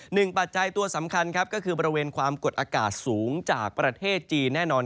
ปัจจัยตัวสำคัญครับก็คือบริเวณความกดอากาศสูงจากประเทศจีนแน่นอน